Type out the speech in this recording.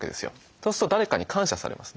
そうすると誰かに感謝されますね。